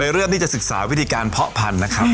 เริ่มที่จะศึกษาวิธีการเพาะพันธุ์นะครับ